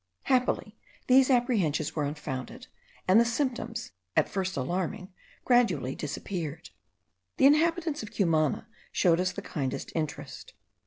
Happily these apprehensions were unfounded, and the symptoms, at first alarming, gradually disappeared. The inhabitants of Cumana showed us the kindest interest.